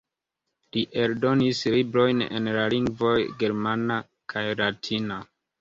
Li eldonis librojn en la lingvoj germana kaj latina.